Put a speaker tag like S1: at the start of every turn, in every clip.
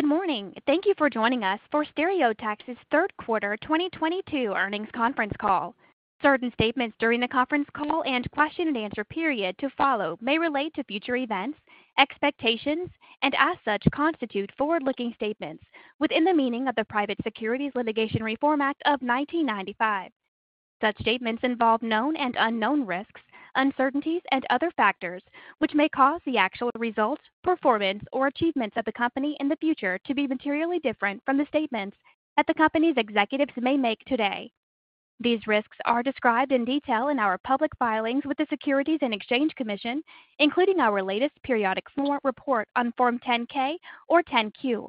S1: Good morning. .Thank you for joining us for Stereotaxis Third Quarter 2022 Earnings Conference Call. Certain statements during the conference call and question and answer period to follow may relate to future events, expectations, and as such, constitute forward-looking statements within the meaning of the Private Securities Litigation Reform Act of 1995. Such statements involve known and unknown risks, uncertainties, and other factors, which may cause the actual results, performance, or achievements of the company in the future to be materially different from the statements that the company's executives may make today. These risks are described in detail in our public filings with the Securities and Exchange Commission, including our latest periodic report on Form 10-K or 10-Q.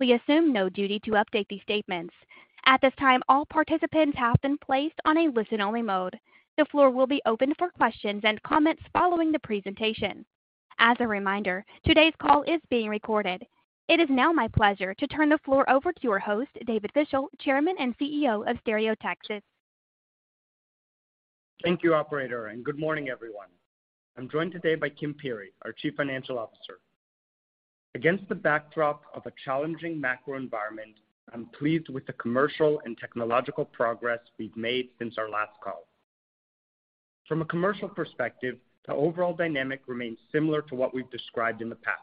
S1: We assume no duty to update these statements. At this time, all participants have been placed on a listen-only mode. The floor will be open for questions and comments following the presentation. As a reminder, today's call is being recorded. It is now my pleasure to turn the floor over to your host, David Fischel, Chairman and CEO of Stereotaxis.
S2: Thank you, operator, and good morning, everyone. I'm joined today by Kim Peery, our Chief Financial Officer. Against the backdrop of a challenging macro environment, I'm pleased with the commercial and technological progress we've made since our last call. From a commercial perspective, the overall dynamic remains similar to what we've described in the past.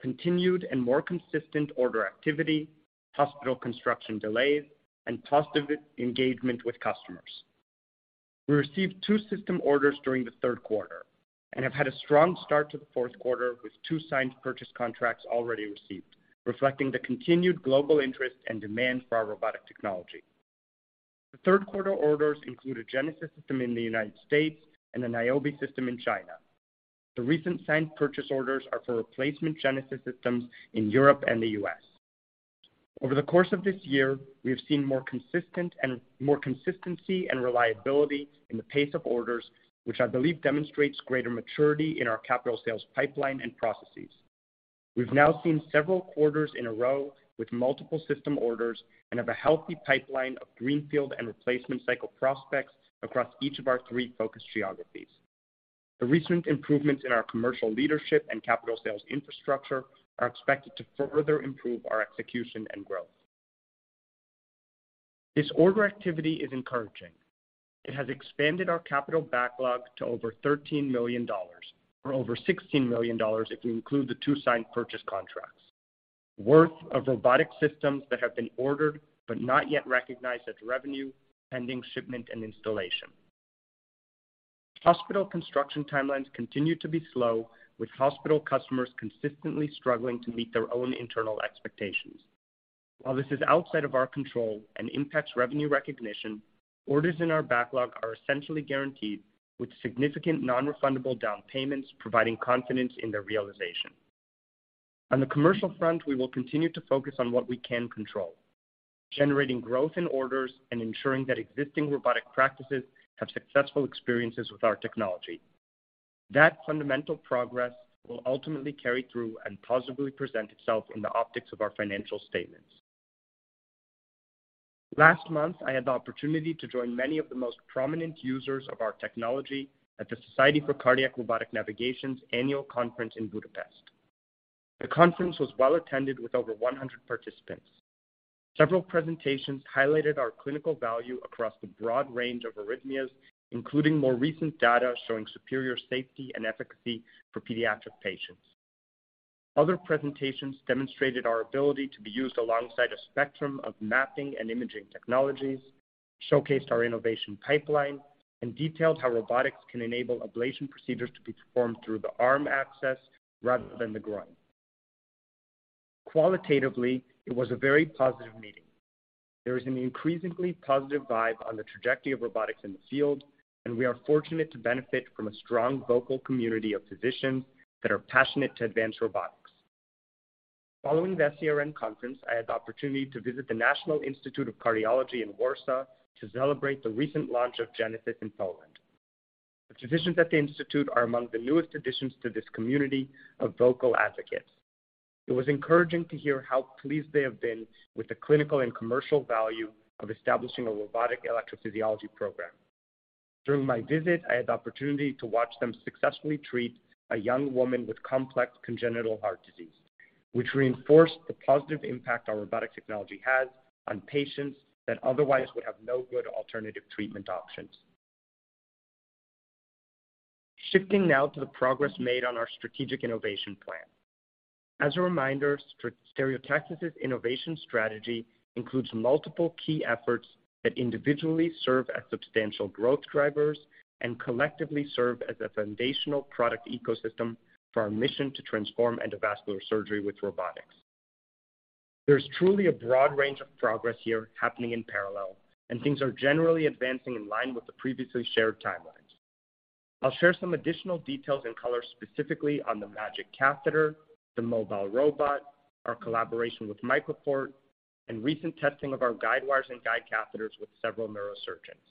S2: Continued and more consistent order activity, hospital construction delays, and positive engagement with customers. We received two system orders during the third quarter and have had a strong start to the fourth quarter with two signed purchase contracts already received, reflecting the continued global interest and demand for our robotic technology. The third quarter orders include a Genesis system in the United States and a Niobe system in China. The recent signed purchase orders are for replacement Genesis systems in Europe and the U.S. Over the course of this year, we have seen more consistency and reliability in the pace of orders, which I believe demonstrates greater maturity in our capital sales pipeline and processes. We've now seen several quarters in a row with multiple system orders and have a healthy pipeline of greenfield and replacement cycle prospects across each of our three focus geographies. The recent improvements in our commercial leadership and capital sales infrastructure are expected to further improve our execution and growth. This order activity is encouraging. It has expanded our capital backlog to over $13 million, or over $16 million if we include the two signed purchase contracts worth of robotic systems that have been ordered but not yet recognized as revenue, pending shipment and installation. Hospital construction timelines continue to be slow, with hospital customers consistently struggling to meet their own internal expectations. While this is outside of our control and impacts revenue recognition, orders in our backlog are essentially guaranteed with significant non-refundable down payments, providing confidence in their realization. On the commercial front, we will continue to focus on what we can control, generating growth in orders and ensuring that existing robotic practices have successful experiences with our technology. That fundamental progress will ultimately carry through and positively present itself in the optics of our financial statements. Last month, I had the opportunity to join many of the most prominent users of our technology at the Society for Cardiac Robotic Navigation's annual conference in Budapest. The conference was well-attended with over 100 participants. Several presentations highlighted our clinical value across the broad range of arrhythmias, including more recent data showing superior safety and efficacy for pediatric patients. Other presentations demonstrated our ability to be used alongside a spectrum of mapping and imaging technologies, showcased our innovation pipeline, and detailed how robotics can enable ablation procedures to be performed through the arm access rather than the groin. Qualitatively, it was a very positive meeting. There is an increasingly positive vibe on the trajectory of robotics in the field, and we are fortunate to benefit from a strong vocal community of physicians that are passionate to advance robotics. Following the SCRN conference, I had the opportunity to visit The Cardinal Stefan Wyszyński National Institute of Cardiology in Warsaw to celebrate the recent launch of Genesis in Poland. The physicians at the institute are among the newest additions to this community of vocal advocates. It was encouraging to hear how pleased they have been with the clinical and commercial value of establishing a robotic electrophysiology program. During my visit, I had the opportunity to watch them successfully treat a young woman with complex congenital heart disease, which reinforced the positive impact our robotic technology has on patients that otherwise would have no good alternative treatment options. Shifting now to the progress made on our Strategic Innovation Plan. As a reminder, Stereotaxis' innovation strategy includes multiple key efforts that individually serve as substantial growth drivers and collectively serve as a foundational product ecosystem for our mission to transform endovascular surgery with robotics. There's truly a broad range of progress here happening in parallel, and things are generally advancing in line with the previously shared timelines. I'll share some additional details and color specifically on the MAGiC catheter, the mobile robot, our collaboration with MicroPort, and recent testing of our guide wires and guide catheters with several neurosurgeons.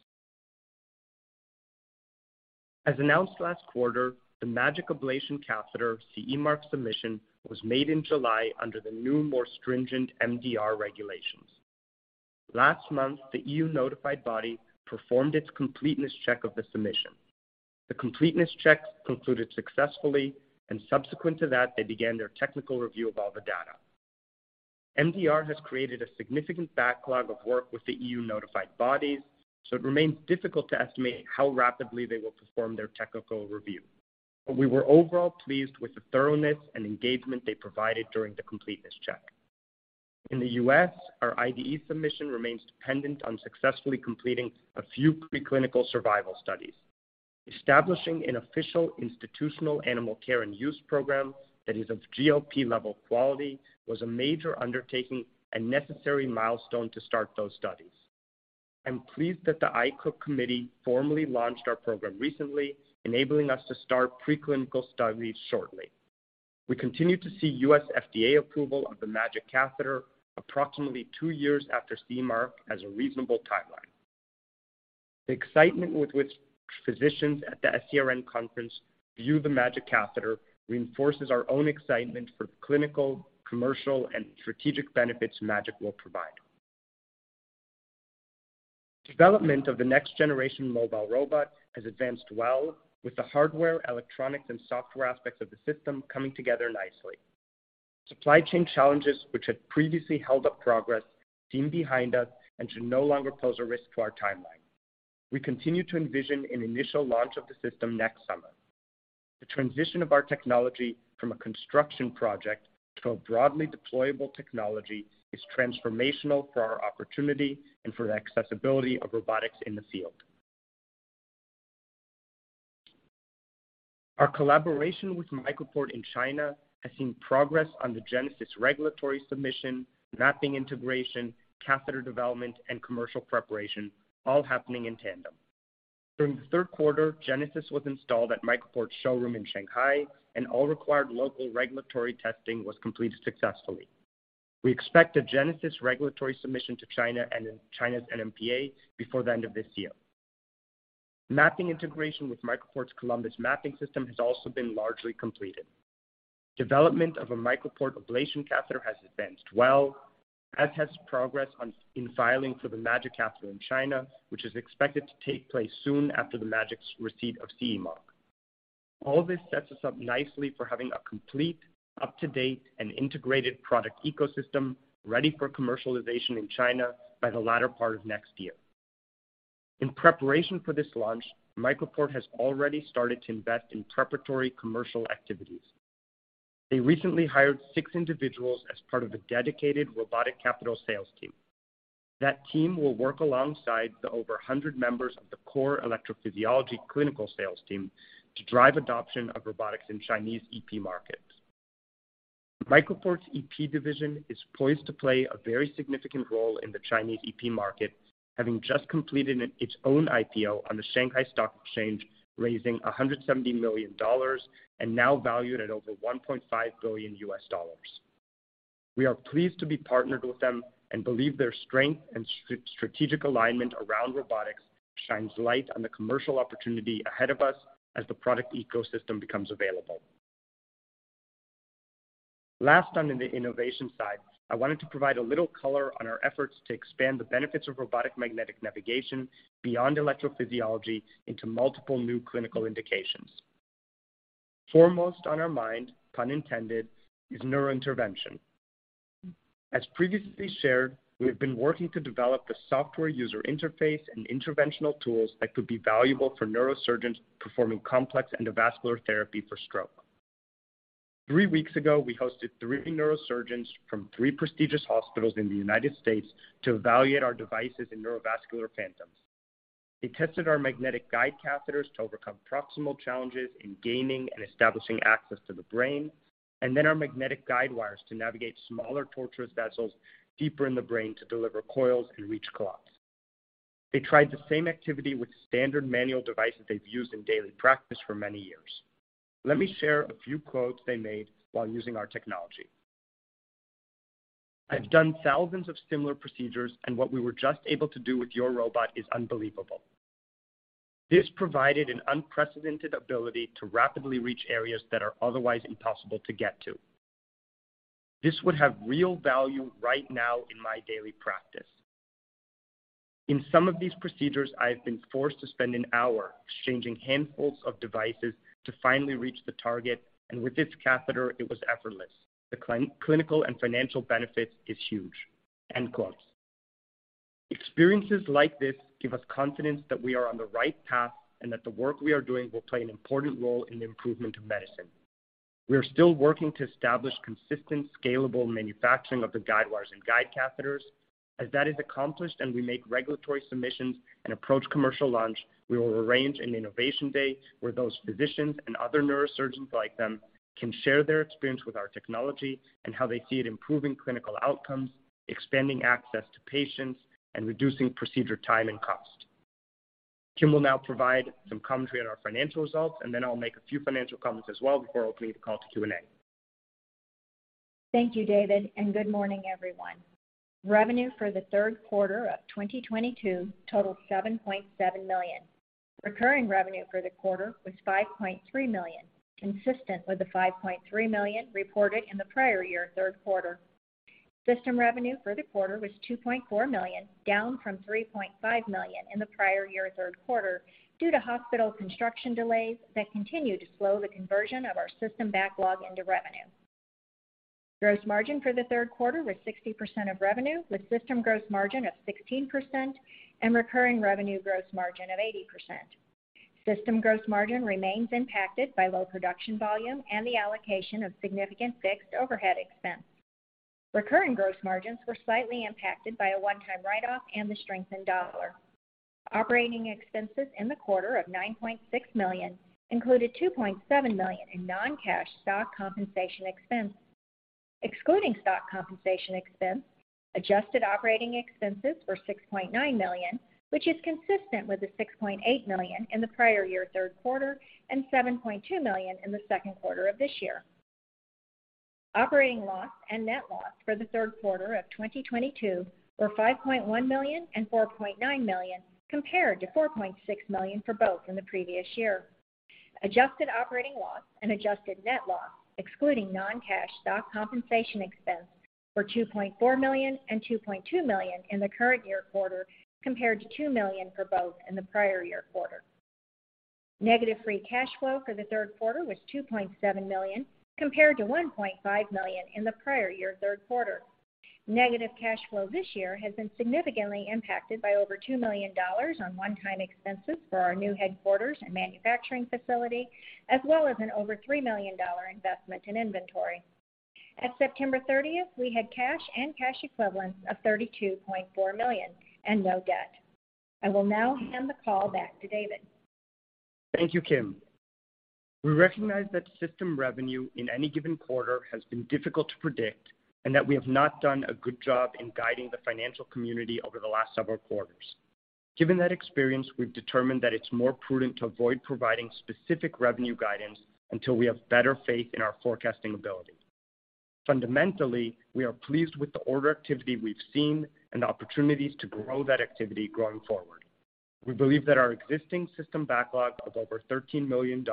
S2: As announced last quarter, the MAGiC ablation catheter CE mark submission was made in July under the new, more stringent MDR regulations. Last month, the EU notified body performed its completeness check of the submission. The completeness checks concluded successfully, and subsequent to that, they began their technical review of all the data. MDR has created a significant backlog of work with the EU notified bodies, so it remains difficult to estimate how rapidly they will perform their technical review. We were overall pleased with the thoroughness and engagement they provided during the completeness check. In the U.S., our IDE submission remains dependent on successfully completing a few pre-clinical survival studies. Establishing an official institutional animal care and use program that is of GLP level quality was a major undertaking and necessary milestone to start those studies. I'm pleased that the IACUC committee formally launched our program recently, enabling us to start pre-clinical studies shortly. We continue to see U.S. FDA approval of the MAGiC catheter approximately two years after CE mark as a reasonable timeline. The excitement with which physicians at the SCRN conference view the MAGiC catheter reinforces our own excitement for clinical, commercial, and strategic benefits MAGiC will provide. Development of the next generation mobile robot has advanced well with the hardware, electronics, and software aspects of the system coming together nicely. Supply chain challenges which had previously held up progress seem behind us and should no longer pose a risk to our timeline. We continue to envision an initial launch of the system next summer. The transition of our technology from a construction project to a broadly deployable technology is transformational for our opportunity and for the accessibility of robotics in the field. Our collaboration with MicroPort in China has seen progress on the Genesis regulatory submission, mapping integration, catheter development, and commercial preparation all happening in tandem. During the third quarter, Genesis was installed at MicroPort's showroom in Shanghai, and all required local regulatory testing was completed successfully. We expect a Genesis regulatory submission to China and China's NMPA before the end of this year. Mapping integration with MicroPort's Columbus mapping system has also been largely completed. Development of a MicroPort ablation catheter has advanced well, as has progress in filing for the MAGiC catheter in China, which is expected to take place soon after the MAGiC's receipt of CE mark. All this sets us up nicely for having a complete, up-to-date, and integrated product ecosystem ready for commercialization in China by the latter part of next year. In preparation for this launch, MicroPort has already started to invest in preparatory commercial activities. They recently hired six individuals as part of a dedicated robotic capital sales team. That team will work alongside the over 100 members of the core electrophysiology clinical sales team to drive adoption of robotics in Chinese EP markets. MicroPort's EP division is poised to play a very significant role in the Chinese EP market, having just completed its own IPO on the Shanghai Stock Exchange, raising $170 million and now valued at over $1.5 billion. We are pleased to be partnered with them and believe their strength and strategic alignment around robotics shines light on the commercial opportunity ahead of us as the product ecosystem becomes available. Last on the innovation side, I wanted to provide a little color on our efforts to expand the benefits of robotic magnetic navigation beyond electrophysiology into multiple new clinical indications. Foremost on our mind, pun intended, is neurointervention. As previously shared, we have been working to develop the software user interface and interventional tools that could be valuable for neurosurgeons performing complex endovascular therapy for stroke. Three weeks ago, we hosted three neurosurgeons from three prestigious hospitals in the United States to evaluate our devices in neurovascular phantoms. They tested our magnetic guide catheters to overcome proximal challenges in gaining and establishing access to the brain, and then our magnetic guide wires to navigate smaller tortuous vessels deeper in the brain to deliver coils and reach clots. They tried the same activity with standard manual devices they've used in daily practice for many years. Let me share a few quotes they made while using our technology. "I've done thousands of similar procedures, and what we were just able to do with your robot is unbelievable." "This provided an unprecedented ability to rapidly reach areas that are otherwise impossible to get to." "This would have real value right now in my daily practice." "In some of these procedures, I've been forced to spend an hour exchanging handfuls of devices to finally reach the target, and with this catheter, it was effortless. The clinical and financial benefit is huge." End quote. Experiences like this give us confidence that we are on the right path and that the work we are doing will play an important role in the improvement of medicine. We are still working to establish consistent, scalable manufacturing of the guide wires and guide catheters. As that is accomplished and we make regulatory submissions and approach commercial launch, we will arrange an innovation day where those physicians and other neurosurgeons like them can share their experience with our technology and how they see it improving clinical outcomes, expanding access to patients, and reducing procedure time and cost. Kim will now provide some commentary on our financial results, and then I'll make a few financial comments as well before opening the call to Q&A.
S3: Thank you, David, and good morning, everyone. Revenue for the third quarter of 2022 totaled $7.7 million. Recurring revenue for the quarter was $5.3 million, consistent with the $5.3 million reported in the prior year third quarter. System revenue for the quarter was $2.4 million, down from $3.5 million in the prior year third quarter due to hospital construction delays that continue to slow the conversion of our system backlog into revenue. Gross margin for the third quarter was 60% of revenue, with system gross margin of 16% and recurring revenue gross margin of 80%. System gross margin remains impacted by low production volume and the allocation of significant fixed overhead expense. Recurring gross margins were slightly impacted by a one-time write-off and the strengthened dollar. Operating expenses in the quarter of $9.6 million included $2.7 million in non-cash stock compensation expense. Excluding stock compensation expense, adjusted operating expenses were $6.9 million, which is consistent with the $6.8 million in the prior year third quarter and $7.2 million in the second quarter of this year. Operating loss and net loss for the third quarter of 2022 were $5.1 million and $4.9 million, compared to $4.6 million for both in the previous year. Adjusted operating loss and adjusted net loss, excluding non-cash stock compensation expense, were $2.4 million and $2.2 million in the current year quarter, compared to $2 million for both in the prior year quarter. Negative free cash flow for the third quarter was $2.7 million, compared to $1.5 million in the prior year third quarter. Negative cash flow this year has been significantly impacted by over $2 million on one-time expenses for our new headquarters and manufacturing facility, as well as an over $3 million investment in inventory. At September 30, we had cash and cash equivalents of $32.4 million and no debt. I will now hand the call back to David.
S2: Thank you, Kim. We recognize that system revenue in any given quarter has been difficult to predict and that we have not done a good job in guiding the financial community over the last several quarters. Given that experience, we've determined that it's more prudent to avoid providing specific revenue guidance until we have better faith in our forecasting ability. Fundamentally, we are pleased with the order activity we've seen and the opportunities to grow that activity going forward. We believe that our existing system backlog of over $13 million,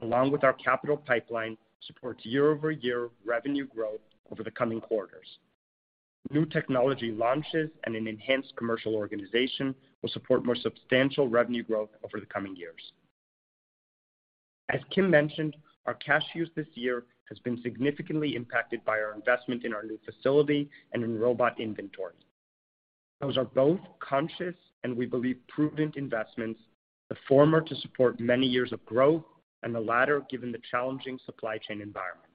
S2: along with our capital pipeline, supports year-over-year revenue growth over the coming quarters. New technology launches and an enhanced commercial organization will support more substantial revenue growth over the coming years. As Kim mentioned, our cash use this year has been significantly impacted by our investment in our new facility and in robot inventory. Those are both conscious, and we believe prudent investments, the former to support many years of growth and the latter, given the challenging supply chain environment.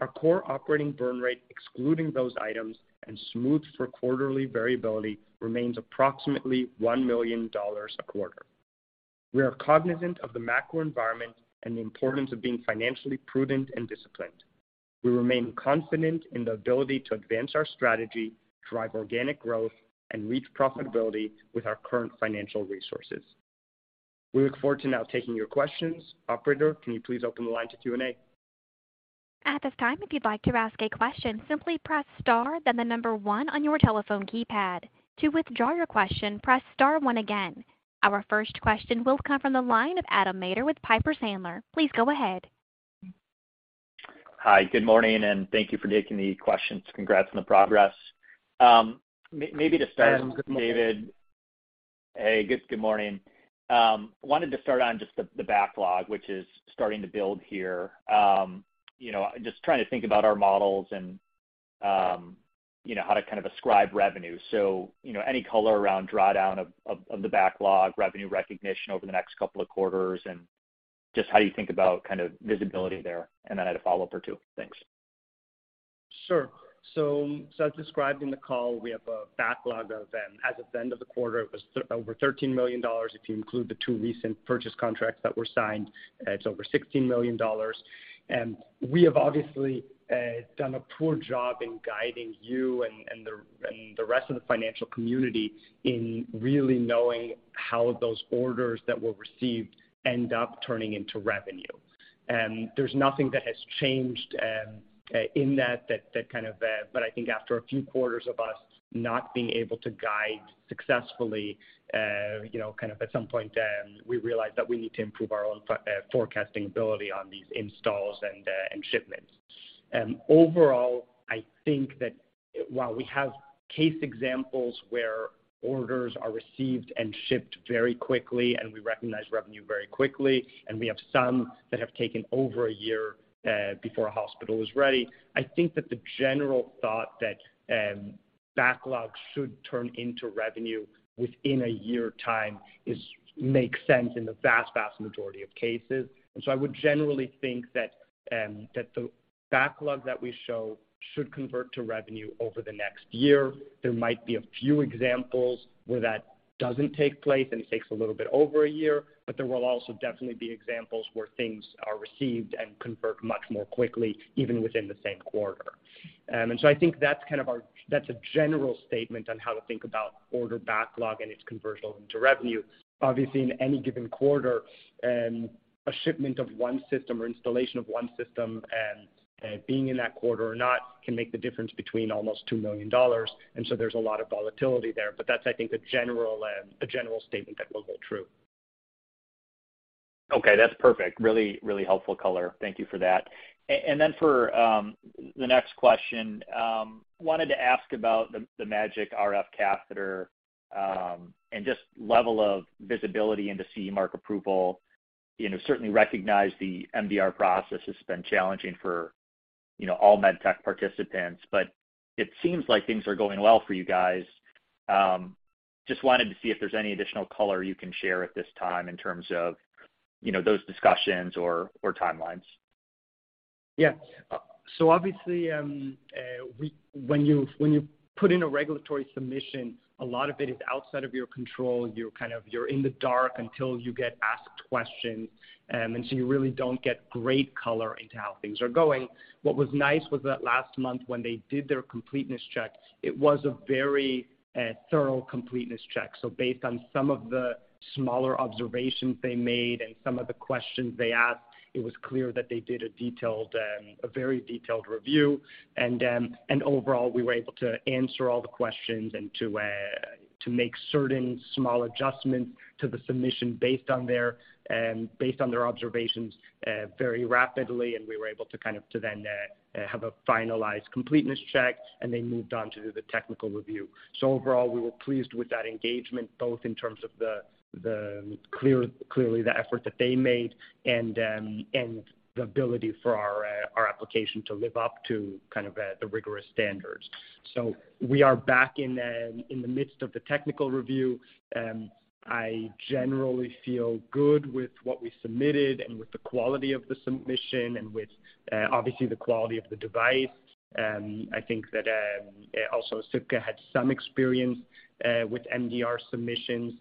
S2: Our core operating burn rate, excluding those items and smoothed for quarterly variability, remains approximately $1 million a quarter. We are cognizant of the macro environment and the importance of being financially prudent and disciplined. We remain confident in the ability to advance our strategy, drive organic growth, and reach profitability with our current financial resources. We look forward to now taking your questions. Operator, can you please open the line to Q&A?
S1: At this time, if you'd like to ask a question, simply press Star, then the number 1 on your telephone keypad. To withdraw your question, press Star 1 again. Our first question will come from the line of Adam Maeder with Piper Sandler. Please go ahead.
S4: Hi, good morning, and thank you for taking the questions. Congrats on the progress. Maybe to start.
S2: Good morning.
S4: Hey, good morning. Wanted to start on just the backlog, which is starting to build here. You know, just trying to think about our models and, you know, how to kind of ascribe revenue. You know, any color around drawdown of the backlog, revenue recognition over the next couple of quarters, and just how you think about kind of visibility there. Then I had a follow-up or two. Thanks.
S2: Sure. As described in the call, we have a backlog of, as of the end of the quarter, it was over $13 million. If you include the two recent purchase contracts that were signed, it's over $16 million. We have obviously done a poor job in guiding you and the rest of the financial community in really knowing how those orders that were received end up turning into revenue. There's nothing that has changed in that kind of. I think after a few quarters of us not being able to guide successfully, you know, kind of at some point, we realized that we need to improve our own forecasting ability on these installs and shipments. Overall, I think that while we have case examples where orders are received and shipped very quickly, and we recognize revenue very quickly, and we have some that have taken over a year before a hospital is ready, I think that the general thought that backlog should turn into revenue within a year time makes sense in the vast majority of cases. I would generally think that the backlog that we show should convert to revenue over the next year. There might be a few examples where that doesn't take place, and it takes a little bit over a year, but there will also definitely be examples where things are received and convert much more quickly, even within the same quarter. I think that's a general statement on how to think about order backlog and its conversion into revenue. Obviously, in any given quarter, a shipment of one system or installation of one system, and being in that quarter or not can make the difference between almost $2 million. There's a lot of volatility there. But that's, I think, a general statement that will hold true.
S4: Okay, that's perfect. Really, really helpful color. Thank you for that. And then for the next question, wanted to ask about the MAGiC RF catheter, and just level of visibility into CE mark approval. You know, certainly recognize the MDR process has been challenging for, you know, all med tech participants, but it seems like things are going well for you guys. Just wanted to see if there's any additional color you can share at this time in terms of, you know, those discussions or timelines.
S2: Yeah. Obviously, when you put in a regulatory submission, a lot of it is outside of your control. You're in the dark until you get asked questions. You really don't get great color into how things are going. What was nice was that last month when they did their completeness check, it was a very thorough completeness check. Based on some of the smaller observations they made and some of the questions they asked, it was clear that they did a very detailed review. Overall, we were able to answer all the questions and to make certain small adjustments to the submission based on their observations very rapidly, and we were able to kind of then have a finalized completeness check, and they moved on to do the technical review. Overall, we were pleased with that engagement, both in terms of clearly the effort that they made and the ability for our application to live up to kind of the rigorous standards. We are back in the midst of the technical review. I generally feel good with what we submitted and with the quality of the submission and with obviously the quality of the device. I think that also Osypka had some experience with MDR submissions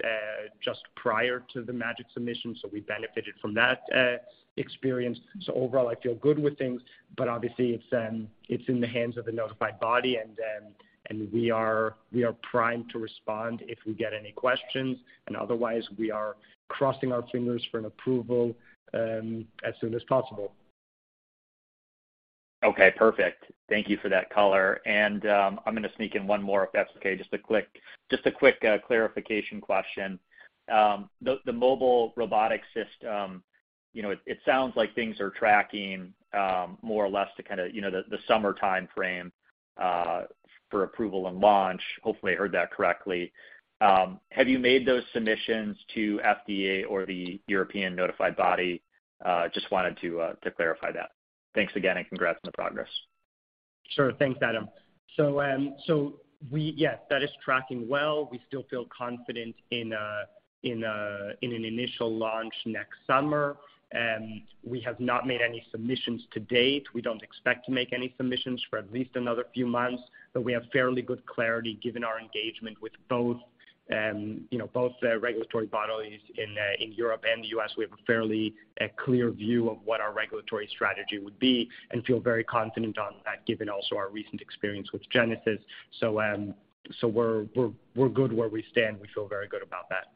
S2: just prior to the MAGiC submission, so we benefited from that experience. Overall, I feel good with things, but obviously it's in the hands of the notified body and we are primed to respond if we get any questions, and otherwise, we are crossing our fingers for an approval as soon as possible.
S4: Okay, perfect. Thank you for that color. I'm gonna sneak in one more, if that's okay. Just a quick clarification question. The mobile robotic system, you know, it sounds like things are tracking more or less to kinda, you know, the summer timeframe for approval and launch. Hopefully, I heard that correctly. Have you made those submissions to FDA or the European notified body? Just wanted to clarify that. Thanks again, and congrats on the progress.
S2: Sure. Thanks, Adam. Yes, that is tracking well. We still feel confident in an initial launch next summer. We have not made any submissions to date. We don't expect to make any submissions for at least another few months, but we have fairly good clarity given our engagement with both the regulatory bodies in Europe and the U.S. We have a fairly clear view of what our regulatory strategy would be and feel very confident on that given also our recent experience with Genesis. We're good where we stand. We feel very good about that.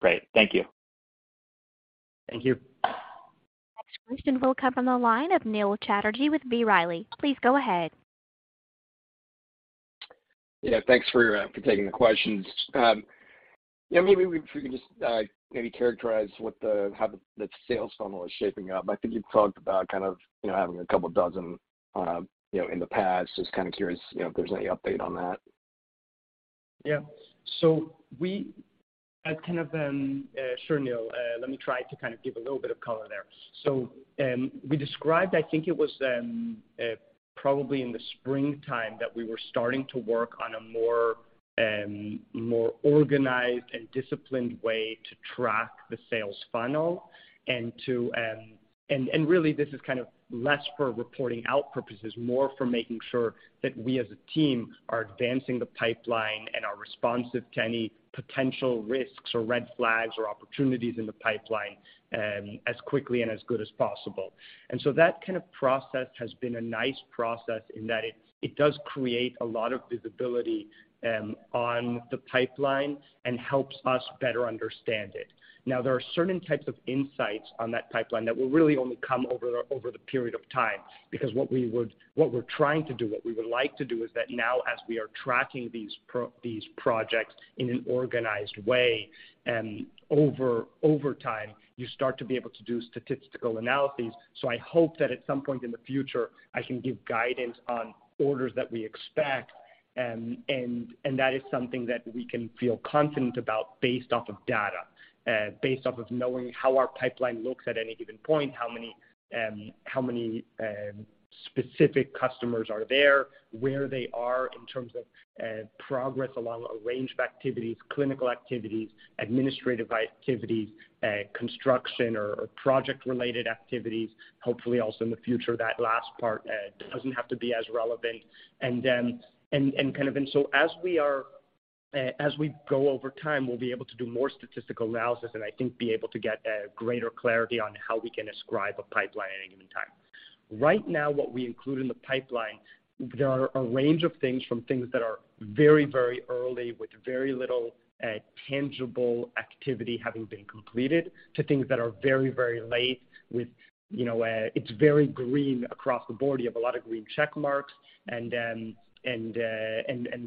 S4: Great. Thank you.
S2: Thank you.
S1: Next question will come from the line of Neil Chatterji with B. Riley. Please go ahead.
S5: Yeah, thanks for taking the questions. Yeah, if you could just maybe characterize how the sales funnel is shaping up. I think you've talked about kind of, you know, having a couple dozen, you know, in the past. Just kinda curious, you know, if there's any update on that.
S2: Yeah. We had kind of... sure, Neil. Let me try to kind of give a little bit of color there. We described, I think it was, probably in the springtime that we were starting to work on a more organized and disciplined way to track the sales funnel and to... and really this is kind of less for reporting out purposes, more for making sure that we as a team are advancing the pipeline and are responsive to any potential risks or red flags or opportunities in the pipeline, as quickly and as good as possible. That kind of process has been a nice process in that it does create a lot of visibility on the pipeline and helps us better understand it. Now, there are certain types of insights on that pipeline that will really only come over the period of time. Because what we're trying to do, what we would like to do is that now as we are tracking these projects in an organized way, over time, you start to be able to do statistical analyses. I hope that at some point in the future, I can give guidance on orders that we expect. That is something that we can feel confident about based off of data, based off of knowing how our pipeline looks at any given point, how many specific customers are there, where they are in terms of progress along a range of activities, clinical activities, administrative activities, construction or project-related activities. Hopefully also in the future, that last part doesn't have to be as relevant. As we go over time, we'll be able to do more statistical analysis, and I think be able to get greater clarity on how we can ascribe a pipeline at any given time. Right now, what we include in the pipeline, there are a range of things from things that are very, very early with very little tangible activity having been completed, to things that are very, very late with you know. It's very green across the board. You have a lot of green checkmarks and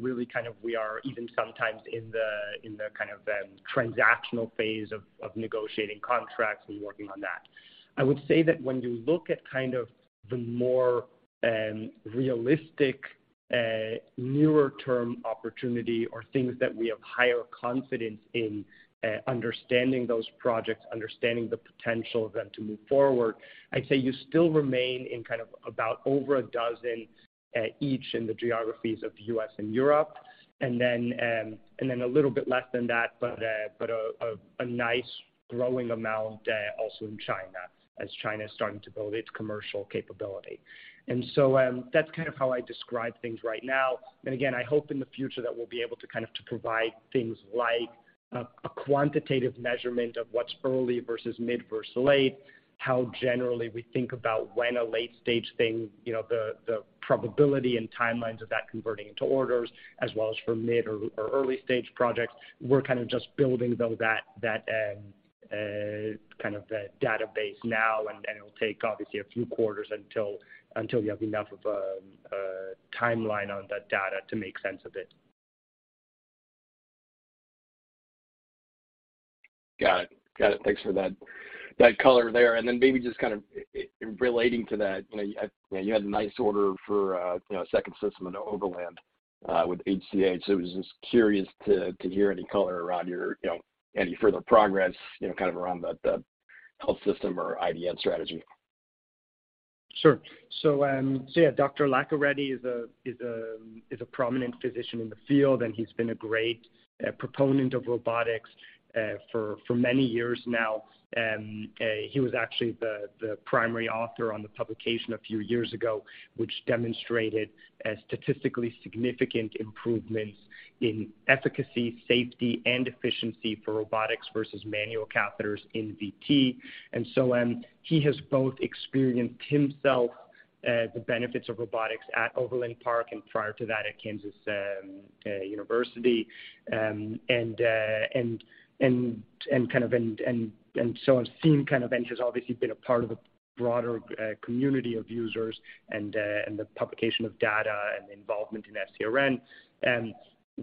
S2: really we are even sometimes in the transactional phase of negotiating contracts and working on that. I would say that when you look at kind of the more realistic near-term opportunity or things that we have higher confidence in understanding those projects, understanding the potential of them to move forward, I'd say you still remain in kind of about over a dozen each in the geographies of the U.S. and Europe. Then a little bit less than that, but a nice growing amount also in China as China is starting to build its commercial capability. That's kind of how I describe things right now. I hope in the future that we'll be able to kind of to provide things like a quantitative measurement of what's early versus mid versus late, how generally we think about when a late stage thing, you know, the probability and timelines of that converting into orders as well as for mid or early stage projects. We're kind of just building though that kind of the database now, and it'll take obviously a few quarters until you have enough of a timeline on that data to make sense of it.
S5: Got it. Thanks for that color there. Maybe just kind of in relating to that, you know, you had a nice order for, you know, second system into Overland Park with HCA. I was just curious to hear any color around your, you know, any further progress, you know, kind of around the health system or IDN strategy.
S2: Sure. Yeah, Dr. DeLurgio is a prominent physician in the field, and he's been a great proponent of robotics for many years now. He was actually the primary author on the publication a few years ago, which demonstrated a statistically significant improvements in efficacy, safety, and efficiency for robotics versus manual catheters in AF. He has both experienced himself the benefits of robotics at Overland Park and prior to that at Kansas University. He has seen kind of, and he's obviously been a part of a broader community of users and the publication of data and involvement in SCRN.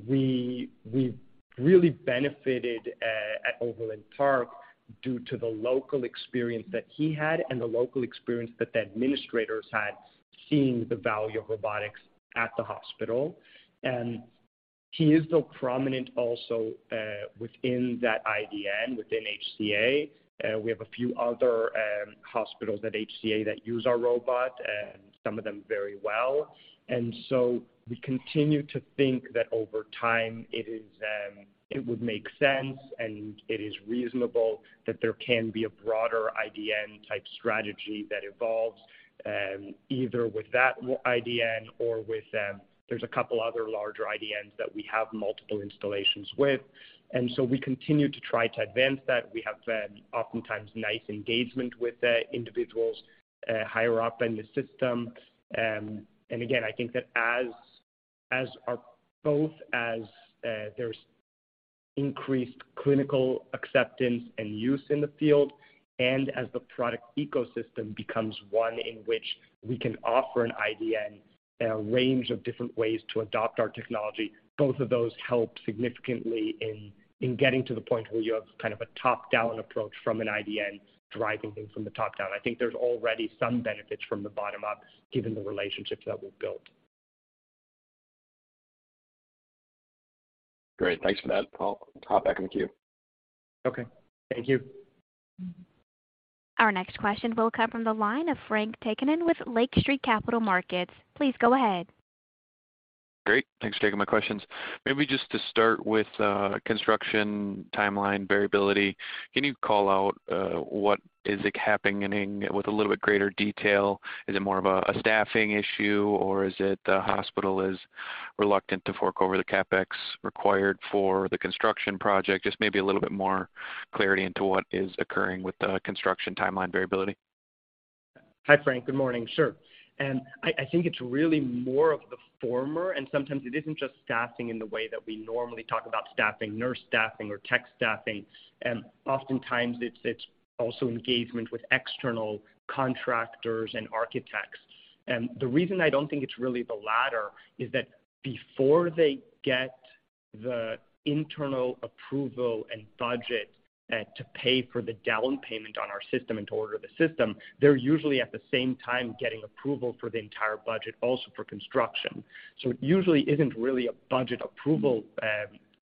S2: We've really benefited at Overland Park due to the local experience that he had and the local experience that the administrators had seeing the value of robotics at the hospital. He is still prominent also within that IDN, within HCA. We have a few other hospitals at HCA that use our robot, some of them very well. We continue to think that over time, it is, it would make sense and it is reasonable that there can be a broader IDN type strategy that evolves, either with that IDN or with, there's a couple other larger IDNs that we have multiple installations with. We continue to try to advance that. We have, oftentimes nice engagement with, individuals, higher up in the system. Again, I think that both as there's increased clinical acceptance and use in the field and as the product ecosystem becomes one in which we can offer an IDN a range of different ways to adopt our technology, both of those help significantly in getting to the point where you have kind of a top-down approach from an IDN driving things from the top down. I think there's already some benefits from the bottom up given the relationships that we've built.
S5: Great. Thanks for that. I'll hop back in the queue.
S2: Okay. Thank you.
S1: Our next question will come from the line of Frank Takkinen with Lake Street Capital Markets. Please go ahead.
S6: Great. Thanks for taking my questions. Maybe just to start with, construction timeline variability. Can you call out, what is happening with a little bit greater detail? Is it more of a staffing issue or is it the hospital is reluctant to fork over the CapEx required for the construction project? Just maybe a little bit more clarity into what is occurring with the construction timeline variability.
S2: Hi, Frank. Good morning. Sure. I think it's really more of the former, and sometimes it isn't just staffing in the way that we normally talk about staffing, nurse staffing or tech staffing. Oftentimes it's also engagement with external contractors and architects. The reason I don't think it's really the latter is that before they get the internal approval and budget to pay for the down payment on our system and to order the system, they're usually at the same time getting approval for the entire budget also for construction. It usually isn't really a budget approval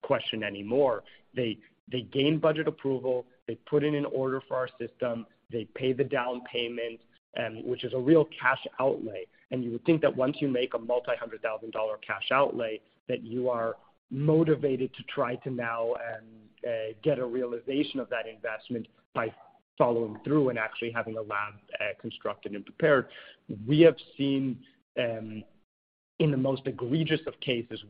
S2: question anymore. They gain budget approval. They put in an order for our system. They pay the down payment, which is a real cash outlay. You would think that once you make a $multi-hundred thousand cash outlay, that you are motivated to try to now get a realization of that investment by following through and actually having a lab constructed and prepared. We have seen in the most egregious of cases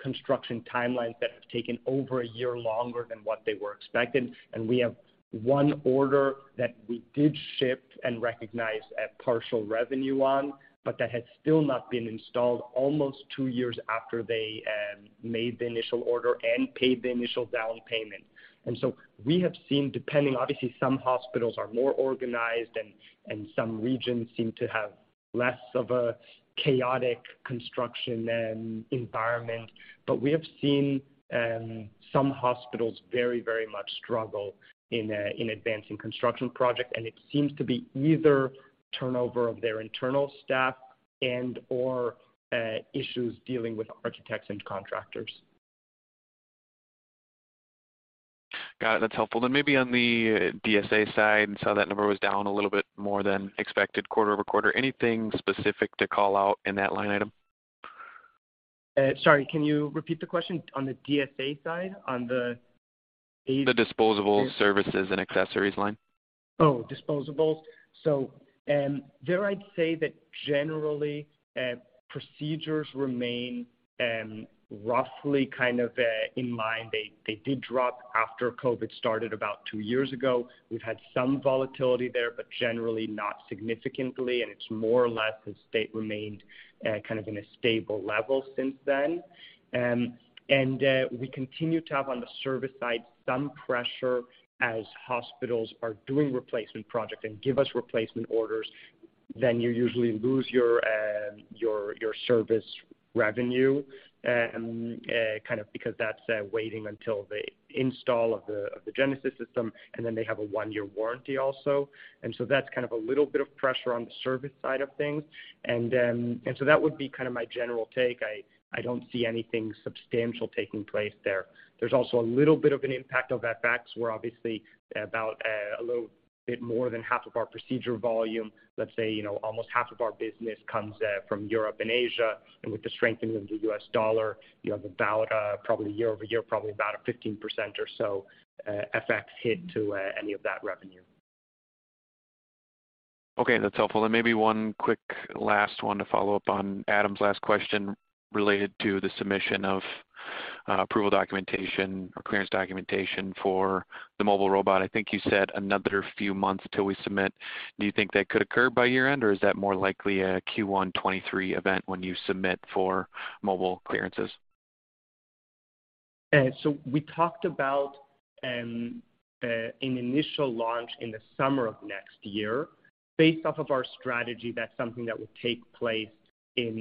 S2: construction timelines that have taken over a year longer than what they were expected. We have one order that we did ship and recognize a partial revenue on, but that has still not been installed almost two years after they made the initial order and paid the initial down payment. We have seen, depending, obviously, some hospitals are more organized and some regions seem to have less of a chaotic construction environment. We have seen some hospitals very, very much struggle in advancing construction project, and it seems to be either turnover of their internal staff and/or issues dealing with architects and contractors.
S6: Got it. That's helpful. Maybe on the DSA side, and saw that number was down a little bit more than expected quarter-over-quarter. Anything specific to call out in that line item?
S2: Sorry, can you repeat the question on the DSA side?
S6: The Disposable Services and Accessories line.
S2: Oh, disposables. There, I'd say that generally, procedures remain roughly kind of in line. They did drop after COVID started about two years ago. We've had some volatility there, but generally not significantly, and it's more or less remained kind of in a stable level since then. We continue to have on the service side some pressure as hospitals are doing replacement project and give us replacement orders. You usually lose your service revenue kind of because that's waiting until they install the Genesis system, and then they have a one-year warranty also. That would be kind of my general take. I don't see anything substantial taking place there. There's also a little bit of an impact of FX. We're obviously about a little bit more than half of our procedure volume. Let's say, you know, almost half of our business comes from Europe and Asia. With the strengthening of the U.S. dollar, you have about, probably year-over-year, probably about a 15% or so FX hit to any of that revenue.
S6: Okay, that's helpful. Maybe one quick last one to follow up on Adam Maeder's last question related to the submission of, approval documentation or clearance documentation for the mobile robot. I think you said another few months till we submit. Do you think that could occur by year-end, or is that more likely a Q1 2023 event when you submit for mobile clearances?
S2: We talked about an initial launch in the summer of next year. Based off of our strategy, that's something that would take place in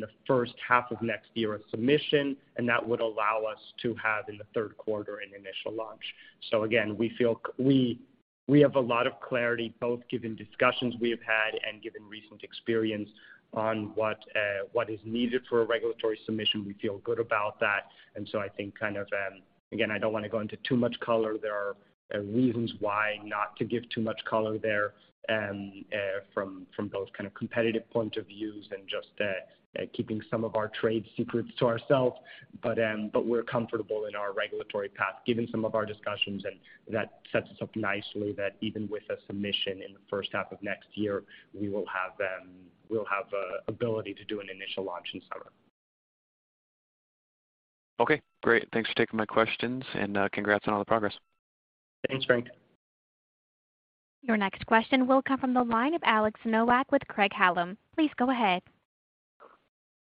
S2: the first half of next year for submission, and that would allow us to have in the third quarter an initial launch. We feel we have a lot of clarity, both given discussions we have had and given recent experience on what is needed for a regulatory submission. We feel good about that. I think kind of, again, I don't wanna go into too much color. There are reasons why not to give too much color there, from both kind of competitive points of view and just keeping some of our trade secrets to ourselves. We're comfortable in our regulatory path, given some of our discussions, and that sets us up nicely that even with a submission in the first half of next year, we'll have an ability to do an initial launch in summer.
S6: Okay, great. Thanks for taking my questions, and congrats on all the progress.
S2: Thanks, Frank.
S1: Your next question will come from the line of Alex Nowak with Craig-Hallum. Please go ahead.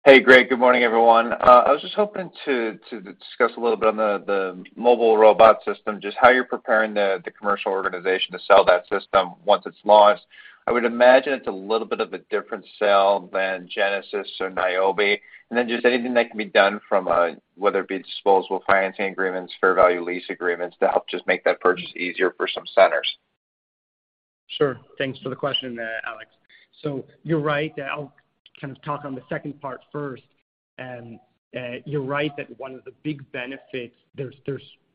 S7: Hey, great. Good morning, everyone. I was just hoping to discuss a little bit on the mobile robot system, just how you're preparing the commercial organization to sell that system once it's launched. I would imagine it's a little bit of a different sale than Genesis or Niobe. Just anything that can be done from a, whether it be disposable financing agreements, fair value lease agreements to help just make that purchase easier for some centers.
S2: Sure. Thanks for the question, Alex. You're right. I'll kind of talk on the second part first. You're right that one of the big benefits. There's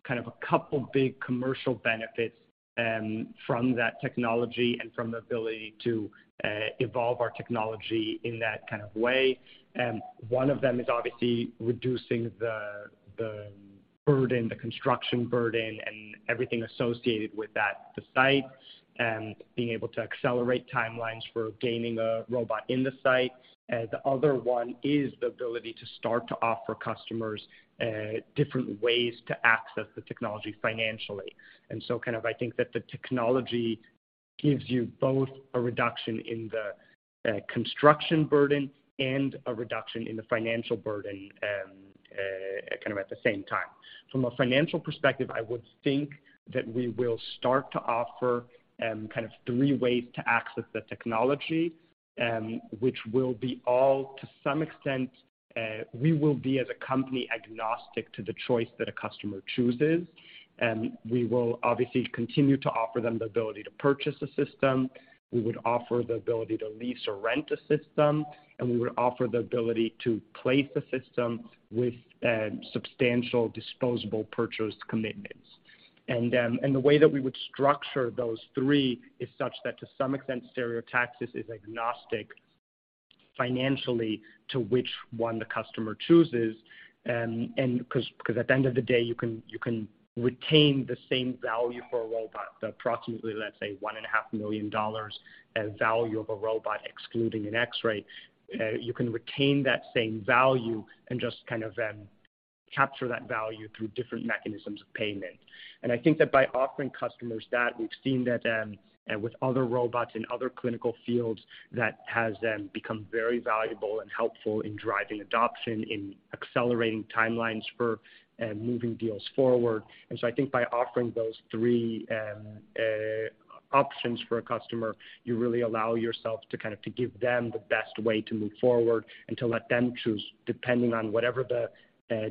S2: kind of a couple big commercial benefits from that technology and from the ability to evolve our technology in that kind of way. One of them is obviously reducing the construction burden and everything associated with that. The site being able to accelerate timelines for gaining a robot in the site. The other one is the ability to start to offer customers different ways to access the technology financially. Kind of, I think that the technology gives you both a reduction in the construction burden and a reduction in the financial burden kind of at the same time. From a financial perspective, I would think that we will start to offer kind of three ways to access the technology, which will be all, to some extent, we will be as a company agnostic to the choice that a customer chooses. We will obviously continue to offer them the ability to purchase a system. We would offer the ability to lease or rent a system, and we would offer the ability to place a system with substantial disposable purchase commitments. The way that we would structure those three is such that to some extent, Stereotaxis is agnostic financially to which one the customer chooses. Because at the end of the day, you can retain the same value for a robot, approximately, let's say $1.5 million value of a robot excluding an X-ray. You can retain that same value and just kind of capture that value through different mechanisms of payment. I think that by offering customers that, we've seen that with other robots in other clinical fields that has then become very valuable and helpful in driving adoption, in accelerating timelines for moving deals forward. I think by offering those three options for a customer, you really allow yourself to kind of to give them the best way to move forward and to let them choose depending on whatever the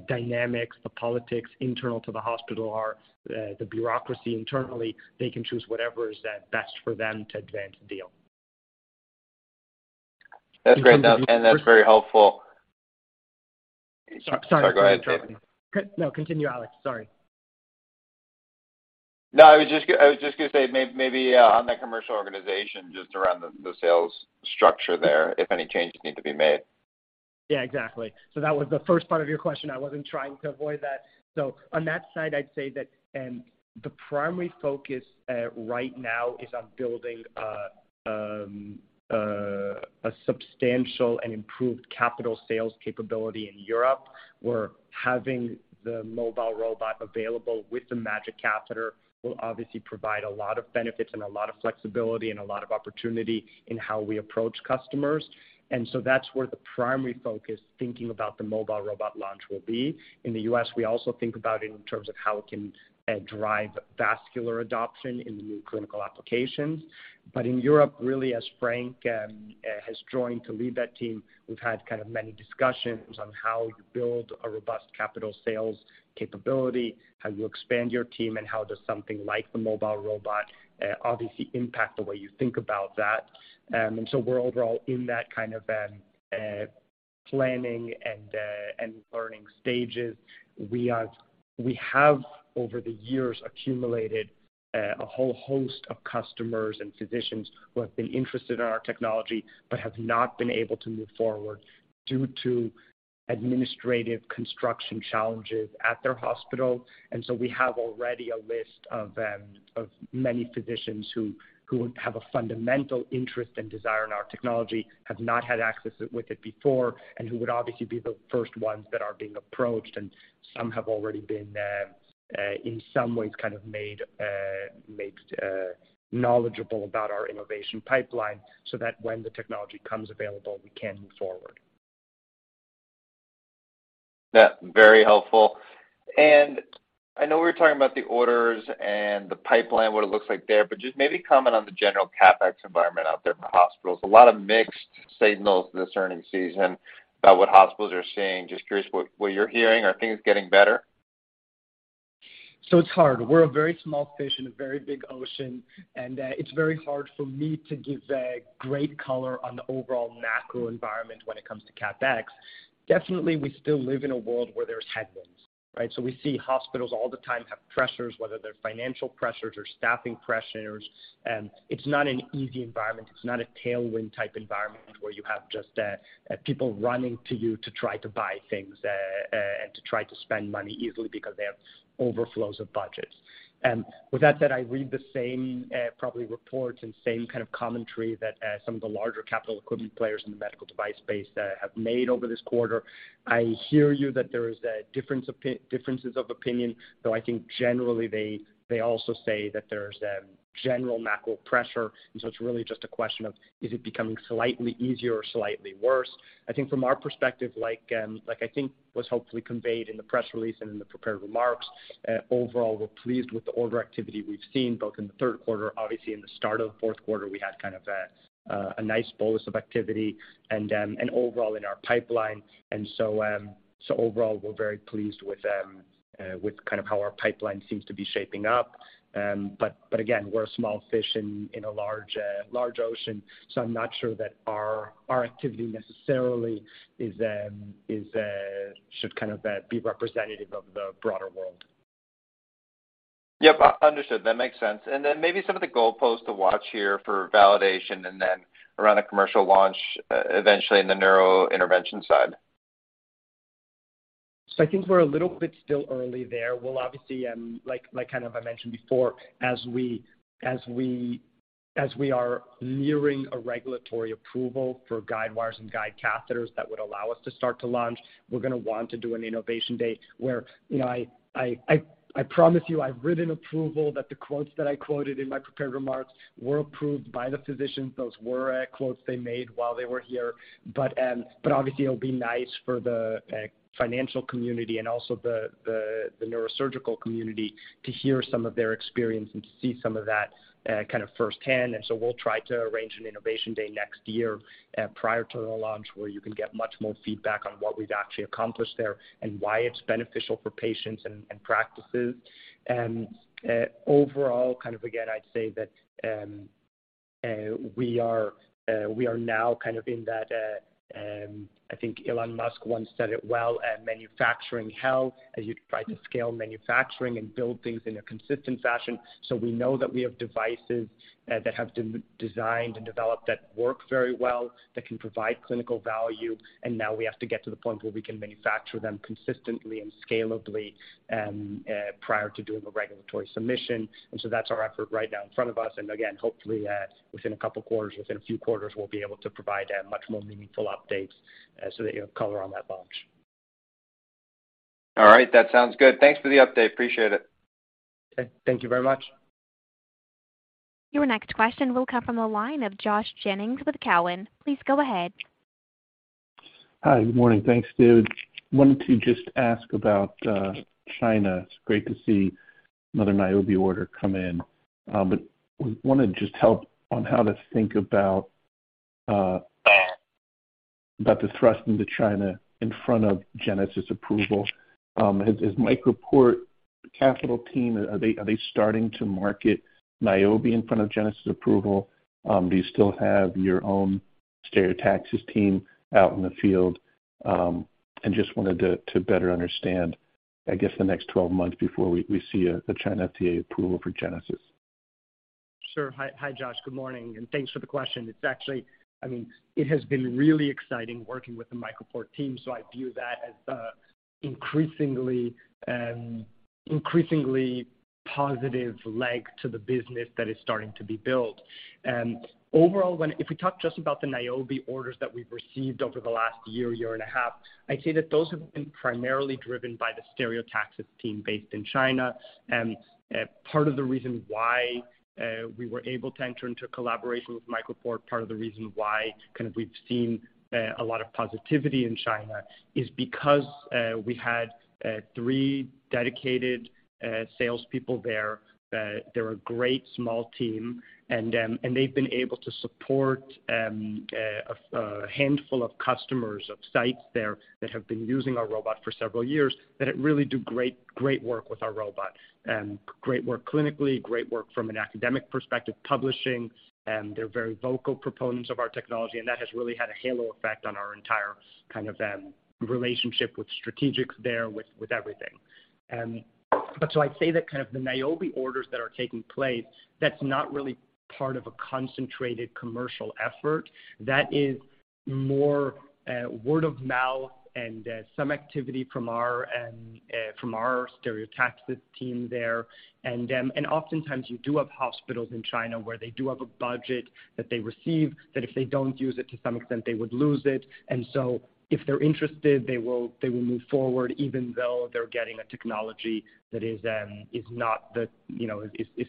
S2: dynamics, the politics internal to the hospital are, the bureaucracy internally, they can choose whatever is best for them to advance a deal.
S7: That's great, and that's very helpful.
S2: Sorry.
S7: Sorry, go ahead, Dave.
S2: No, continue, Alex. Sorry.
S7: No, I was just gonna say maybe on that commercial organization, just around the sales structure there, if any changes need to be made.
S2: Yeah, exactly. That was the first part of your question. I wasn't trying to avoid that. On that side, I'd say that, the primary focus right now is on building a substantial and improved capital sales capability in Europe. We're having the mobile robot available with the MAGiC catheter will obviously provide a lot of benefits and a lot of flexibility and a lot of opportunity in how we approach customers. That's where the primary focus thinking about the mobile robot launch will be. In the US, we also think about it in terms of how it can drive vascular adoption in the new clinical applications. In Europe, really, as Frank has joined to lead that team, we've had kind of many discussions on how you build a robust capital sales capability, how you expand your team, and how does something like the mobile robot obviously impact the way you think about that. We're overall in that kind of planning and learning stages. We have, over the years, accumulated a whole host of customers and physicians who have been interested in our technology but have not been able to move forward due to administrative construction challenges at their hospital. We have already a list of many physicians who have a fundamental interest and desire in our technology, have not had access with it before, and who would obviously be the first ones that are being approached, and some have already been in some ways kind of made knowledgeable about our innovation pipeline so that when the technology becomes available, we can move forward.
S7: Yeah. Very helpful. I know we were talking about the orders and the pipeline, what it looks like there, but just maybe comment on the general CapEx environment out there for hospitals. A lot of mixed signals this earnings season about what hospitals are seeing. Just curious what you're hearing. Are things getting better?
S2: It's hard. We're a very small fish in a very big ocean, and it's very hard for me to give great color on the overall macro environment when it comes to CapEx. Definitely, we still live in a world where there's headwinds, right? We see hospitals all the time have pressures, whether they're financial pressures or staffing pressures. It's not an easy environment. It's not a tailwind type environment where you have just people running to you to try to buy things and to try to spend money easily because they have overflows of budgets. With that said, I read the same probably reports and same kind of commentary that some of the larger capital equipment players in the medical device space have made over this quarter. I hear you that there is a differences of opinion, though I think generally they also say that there's a general macro pressure, and so it's really just a question of, is it becoming slightly easier or slightly worse? I think from our perspective, like, I think was hopefully conveyed in the press release and in the prepared remarks, overall, we're pleased with the order activity we've seen both in the third quarter. Obviously in the start of fourth quarter, we had kind of a nice bolus of activity and overall in our pipeline. So overall, we're very pleased with how our pipeline seems to be shaping up. Again, we're a small fish in a large ocean, so I'm not sure that our activity necessarily should kind of be representative of the broader world.
S7: Yep. Understood. That makes sense. Then maybe some of the goalposts to watch here for validation and then around the commercial launch, eventually in the neurointervention side.
S2: I think we're a little bit still early there. We'll obviously, like kind of I mentioned before, as we are nearing a regulatory approval for guide wires and guide catheters that would allow us to start to launch, we're gonna want to do an innovation day where, you know, I promise you, I have written approval that the quotes that I quoted in my prepared remarks were approved by the physicians. Those were quotes they made while they were here. Obviously it'll be nice for the financial community and also the neurosurgical community to hear some of their experience and to see some of that kind of firsthand. We'll try to arrange an innovation day next year prior to the launch, where you can get much more feedback on what we've actually accomplished there and why it's beneficial for patients and practices. Overall, kind of again, I'd say that we are now kind of in that. I think Elon Musk once said it well, manufacturing hell, as you try to scale manufacturing and build things in a consistent fashion. We know that we have devices that have been designed and developed that work very well, that can provide clinical value, and now we have to get to the point where we can manufacture them consistently and scalably prior to doing a regulatory submission. That's our effort right now in front of us. Again, hopefully, within a couple of quarters, within a few quarters, we'll be able to provide a much more meaningful update, so that you have color on that launch.
S7: All right. That sounds good. Thanks for the update. Appreciate it.
S2: Okay. Thank you very much.
S1: Your next question will come from the line of Josh Jennings with Cowen. Please go ahead.
S8: Hi. Good morning. Thanks, David. Wanted to just ask about China. It's great to see another Niobe order come in. Want to just help on how to think about the thrust into China in front of Genesis approval. Is MicroPort capital team starting to market Niobe in front of Genesis approval? Do you still have your own Stereotaxis team out in the field? Just wanted to better understand, I guess, the next 12 months before we see a China FDA approval for Genesis.
S2: Sure. Hi, Josh. Good morning, and thanks for the question. It's actually I mean, it has been really exciting working with the MicroPort team, so I view that as the increasingly positive leg to the business that is starting to be built. Overall, if we talk just about the Niobe orders that we've received over the last year and a half, I'd say that those have been primarily driven by the Stereotaxis team based in China. Part of the reason why we were able to enter into a collaboration with MicroPort, part of the reason why kind of we've seen a lot of positivity in China is because we had three dedicated salespeople there. They're a great small team, and they've been able to support a handful of customers or sites there that have been using our robot for several years, that they really do great work with our robot. Great work clinically, great work from an academic perspective, publishing, they're very vocal proponents of our technology, and that has really had a halo effect on our entire kind of relationship with strategics there, with everything. I'd say that kind of the Niobe orders that are taking place, that's not really part of a concentrated commercial effort. That is more word of mouth and some activity from our Stereotaxis team there. Oftentimes you do have hospitals in China where they do have a budget that they receive, that if they don't use it to some extent, they would lose it. If they're interested, they will move forward, even though they're getting a technology that is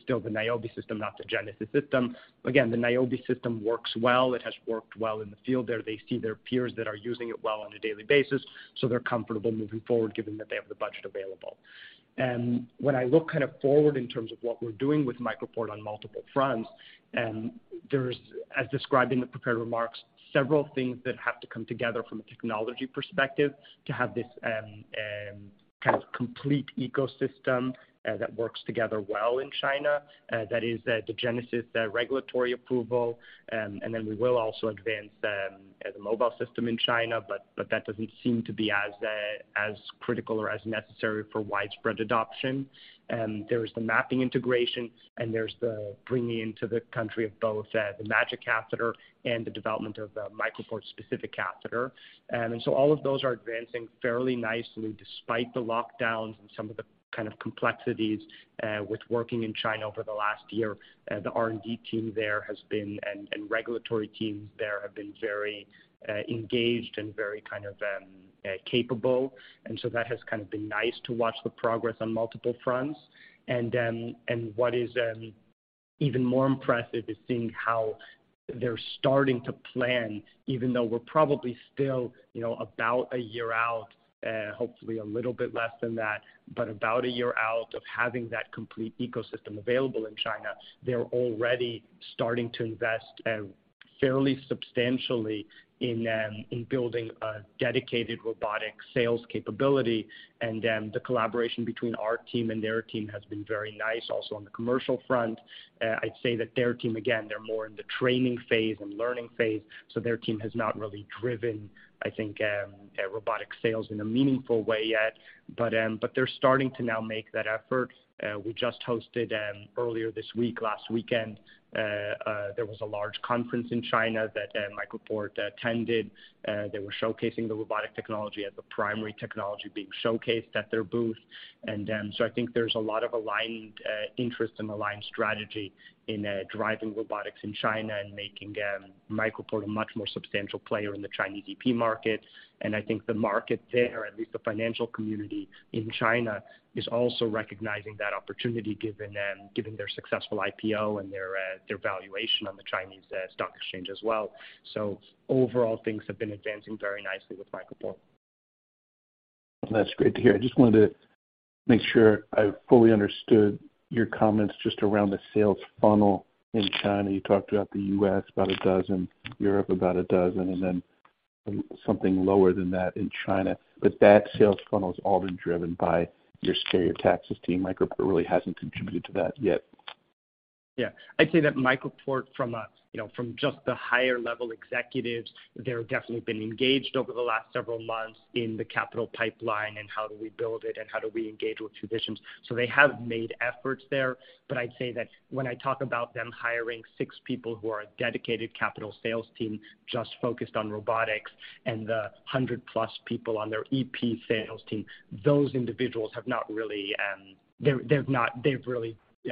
S2: still the Niobe system, not the Genesis system. Again, the Niobe system works well. It has worked well in the field there. They see their peers that are using it well on a daily basis, so they're comfortable moving forward given that they have the budget available. When I look kind of forward in terms of what we're doing with MicroPort on multiple fronts, there's, as described in the prepared remarks, several things that have to come together from a technology perspective to have this kind of complete ecosystem that works together well in China. That is, the Genesis regulatory approval. And then we will also advance the mobile system in China, but that doesn't seem to be as critical or as necessary for widespread adoption. There's the mapping integration, and there's the bringing into the country of both the MAGiC catheter and the development of the MicroPort specific catheter. All of those are advancing fairly nicely despite the lockdowns and some of the kind of complexities with working in China over the last year. The R&D team there has been, and regulatory teams there have been very engaged and very kind of capable. What is even more impressive is seeing how they're starting to plan, even though we're probably still, you know, about a year out, hopefully a little bit less than that, but about a year out of having that complete ecosystem available in China. They're already starting to invest fairly substantially in building a dedicated robotic sales capability. The collaboration between our team and their team has been very nice also on the commercial front. I'd say that their team, again, they're more in the training phase and learning phase, so their team has not really driven, I think, robotic sales in a meaningful way yet. They're starting to now make that effort. Earlier this week, last weekend, there was a large conference in China that MicroPort attended. They were showcasing the robotic technology as the primary technology being showcased at their booth. I think there's a lot of aligned interest and aligned strategy in driving robotics in China and making MicroPort a much more substantial player in the Chinese EP market. I think the market there, at least the financial community in China, is also recognizing that opportunity given their successful IPO and their valuation on the Chinese stock exchange as well. Overall, things have been advancing very nicely with MicroPort.
S8: That's great to hear. I just wanted to make sure I fully understood your comments just around the sales funnel in China. You talked about the U.S., about a dozen, Europe, about a dozen, and then something lower than that in China, but that sales funnel has all been driven by your Stereotaxis team. MicroPort really hasn't contributed to that yet.
S2: Yeah. I'd say that MicroPort from a, you know, from just the higher level executives, they're definitely been engaged over the last several months in the capital pipeline and how do we build it and how do we engage with physicians. They have made efforts there. I'd say that when I talk about them hiring six people who are a dedicated capital sales team just focused on robotics and the 100-plus people on their EP sales team, those individuals have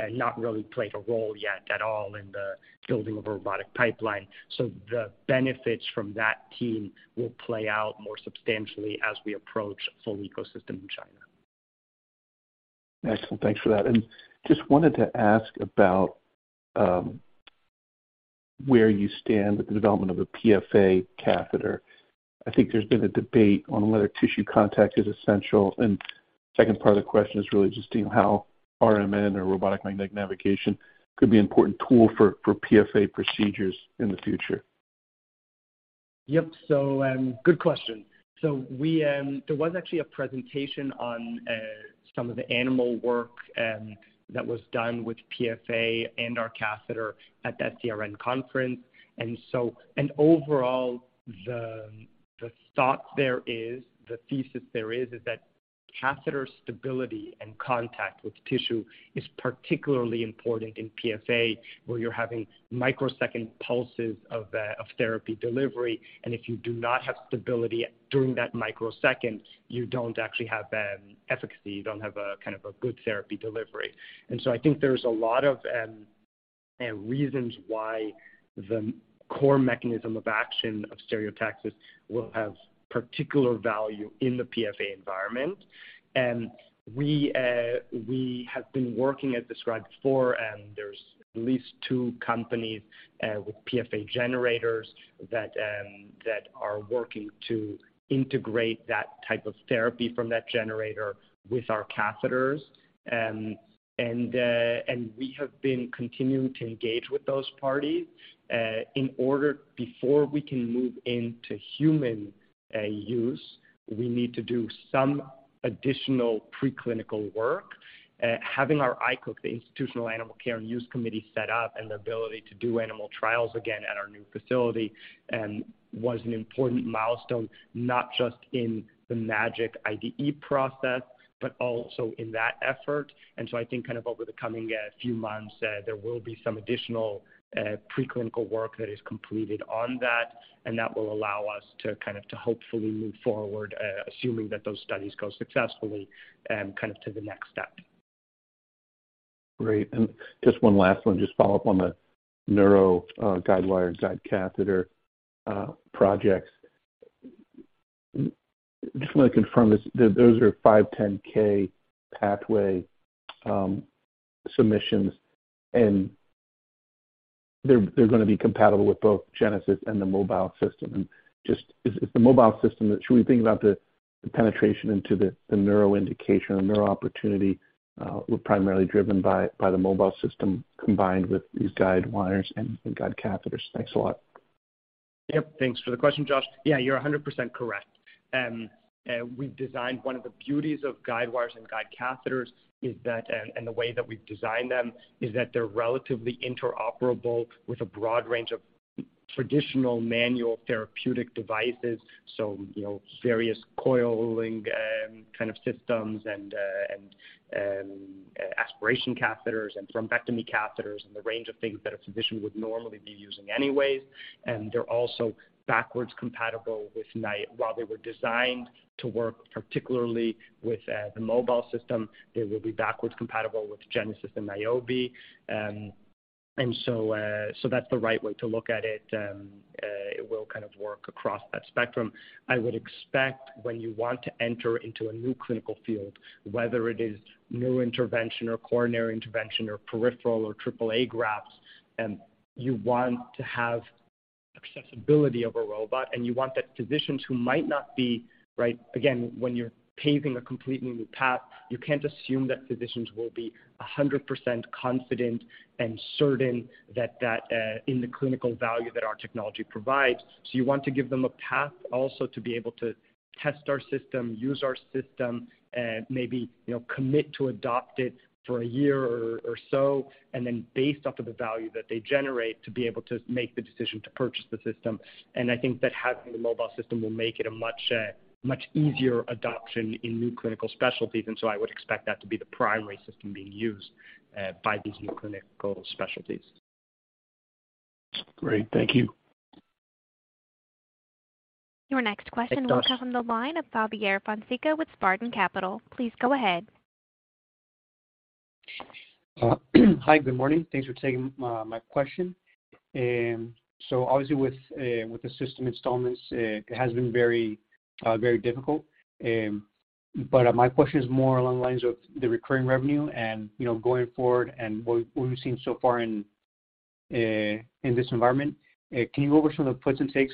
S2: not really played a role yet at all in the building of a robotic pipeline. The benefits from that team will play out more substantially as we approach full ecosystem in China.
S8: Excellent. Thanks for that. Just wanted to ask about where you stand with the development of a PFA catheter. I think there's been a debate on whether tissue contact is essential. Second part of the question is really just how RMN or robotic magnetic navigation could be important tool for PFA procedures in the future.
S2: Yep. Good question. There was actually a presentation on some of the animal work that was done with PFA and our catheter at the SCRN conference. Overall, the thought there is, the thesis there is that catheter stability and contact with tissue is particularly important in PFA, where you're having microsecond pulses of therapy delivery. If you do not have stability during that microsecond, you don't actually have efficacy, you don't have kind of a good therapy delivery. I think there's a lot of reasons why the core mechanism of action of Stereotaxis will have particular value in the PFA environment. We have been working, as described before, and there's at least two companies with PFA generators that are working to integrate that type of therapy from that generator with our catheters. We have been continuing to engage with those parties. Before we can move into human use, we need to do some additional preclinical work. Having our IACUC, the Institutional Animal Care and Use Committee, set up and the ability to do animal trials again at our new facility was an important milestone, not just in the MAGiC IDE process, but also in that effort. I think kind of over the coming few months there will be some additional preclinical work that is completed on that, and that will allow us to kind of to hopefully move forward, assuming that those studies go successfully, kind of to the next step.
S8: Great. Just one last one. Just follow up on the neuro, guidewire/guide catheter, projects. Just wanna confirm this. Those are 510(k) pathway, submissions, and they're gonna be compatible with both Genesis and the mobile system. Just is the mobile system that should we think about the penetration into the neuro indication or neuro opportunity, primarily driven by the mobile system combined with these guide wires and guide catheters? Thanks a lot.
S2: Yep. Thanks for the question, Josh. Yeah, you're 100% correct. One of the beauties of guidewires and guide catheters is that and the way that we've designed them is that they're relatively interoperable with a broad range of traditional manual therapeutic devices. You know, various coiling kind of systems and aspiration catheters and thrombectomy catheters and the range of things that a physician would normally be using anyways. They're also backwards compatible. While they were designed to work particularly with the mobile system, they will be backwards compatible with Genesis and Niobe. That's the right way to look at it. It will kind of work across that spectrum. I would expect when you want to enter into a new clinical field, whether it is neuro intervention or coronary intervention or peripheral or triple A grafts, you want to have accessibility of a robot. Right, again, when you're paving a completely new path, you can't assume that physicians will be 100% confident and certain that in the clinical value that our technology provides. So you want to give them a path also to be able to test our system, use our system, maybe, you know, commit to adopt it for a year or so, and then based off of the value that they generate, to be able to make the decision to purchase the system. I think that having the mobile system will make it a much easier adoption in new clinical specialties. I would expect that to be the primary system being used by these new clinical specialties.
S8: Great. Thank you.
S1: Your next question will come from the line of Xavier Fonseca with Spartan Capital. Please go ahead.
S9: Hi. Good morning. Thanks for taking my question. So obviously with the system installations, it has been very difficult. But my question is more along the lines of the recurring revenue and, you know, going forward and what we've seen so far in this environment. Can you go over some of the puts and takes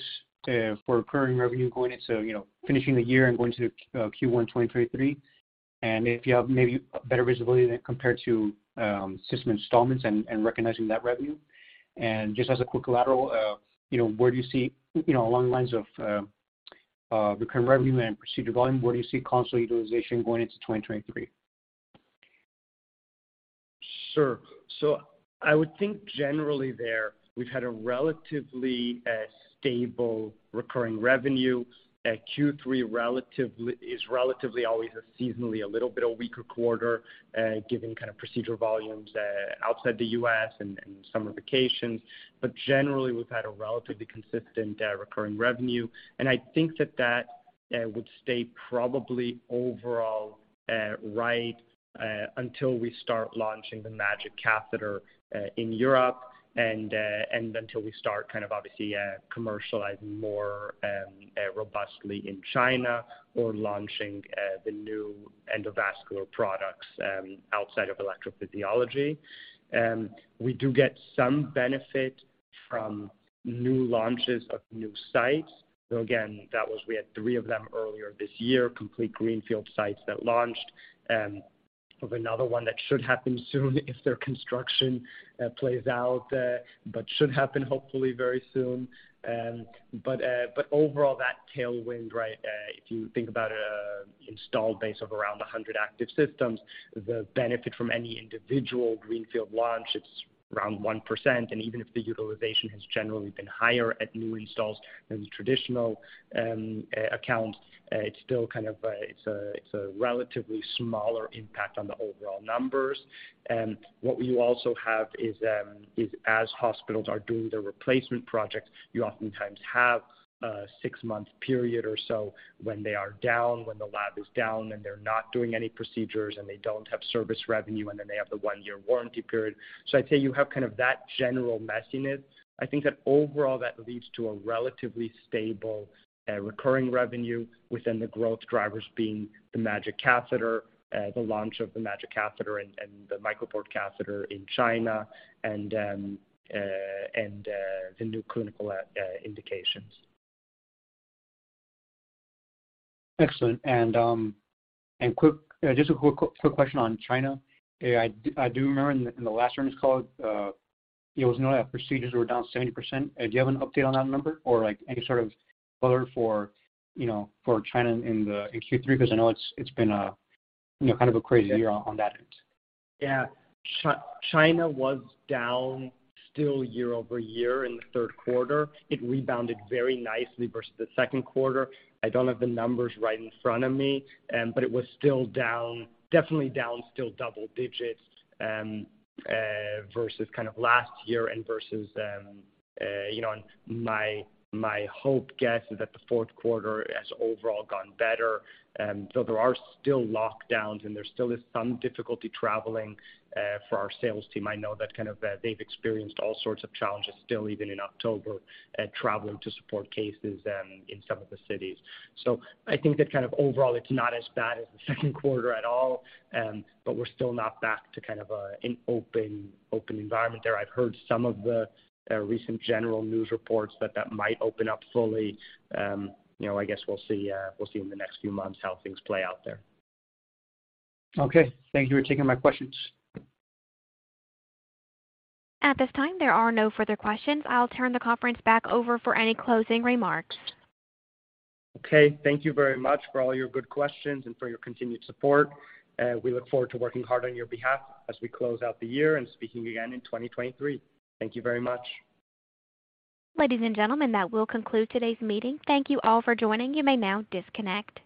S9: for recurring revenue going into, you know, finishing the year and going to Q1 2023? And if you have maybe better visibility than compared to system installations and recognizing that revenue. And just as a quick follow-up, you know, where do you see along the lines of recurring revenue and procedure volume, where do you see console utilization going into 2023?
S2: I would think generally there we've had a relatively stable recurring revenue. Q3 relatively is relatively always seasonally a little bit weaker quarter, given kind of procedural volumes outside the U.S. and summer vacations. Generally, we've had a relatively consistent recurring revenue. I think that would stay probably overall right until we start launching the MAGiC catheter in Europe and until we start kind of obviously commercializing more robustly in China or launching the new endovascular products outside of electrophysiology. We do get some benefit from new launches of new sites. Again, we had three of them earlier this year, complete greenfield sites that launched. We have another one that should happen soon if their construction plays out, but should happen hopefully very soon. Overall, that tailwind, right, if you think about installed base of around 100 active systems, the benefit from any individual greenfield launch is around 1%. Even if the utilization has generally been higher at new installs than the traditional accounts, it's still kind of a relatively smaller impact on the overall numbers. What you also have is as hospitals are doing their replacement projects, you oftentimes have a six-month period or so when they are down, when the lab is down, and they're not doing any procedures, and they don't have service revenue, and then they have the one-year warranty period. I'd say you have kind of that general messiness. I think that overall that leads to a relatively stable recurring revenue within the growth drivers being the MAGiC catheter, the launch of the MAGiC catheter and the MicroPort catheter in China and the new clinical indications.
S9: Excellent. Just a quick question on China. I do remember in the last earnings call, it was noted that procedures were down 70%. Do you have an update on that number or, like, any sort of color for, you know, for China in Q3? Because I know it's been, you know, kind of a crazy year on that end.
S2: Yeah. China was still down year-over-year in the third quarter. It rebounded very nicely versus the second quarter. I don't have the numbers right in front of me, but it was still down, definitely down double digits versus kind of last year, you know. My hope is that the fourth quarter has overall gone better. Though there are still lockdowns, and there still is some difficulty traveling for our sales team. I know that kind of they've experienced all sorts of challenges still even in October traveling to support cases in some of the cities. I think that kind of overall it's not as bad as the second quarter at all, but we're still not back to kind of an open environment there. I've heard some of the recent general news reports that might open up fully. You know, I guess we'll see in the next few months how things play out there.
S9: Okay. Thank you for taking my questions.
S1: At this time, there are no further questions. I'll turn the conference back over for any closing remarks.
S2: Okay. Thank you very much for all your good questions and for your continued support. We look forward to working hard on your behalf as we close out the year and speaking again in 2023. Thank you very much.
S1: Ladies and gentlemen, that will conclude today's meeting. Thank you all for joining. You may now disconnect.